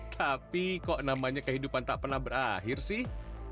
tapi kok namanya kehidupan tak pernah berakhir sih